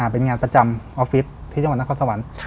เป็นงานประจำออฟฟิศที่จังหวัดนครสวรรค์